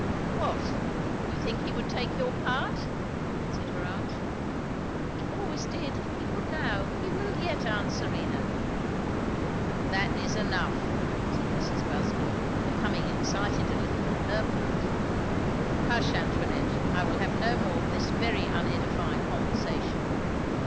"What, you think he would take your part?" said her aunt. "He always did. He would now. He will yet, aunt Serena." "That is enough!" said Mrs. Busby, becoming excited a little on her part. "Hush, Antoinette; I will have no more of this very unedifying conversation.